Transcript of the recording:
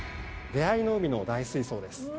出会いの海の大水槽です。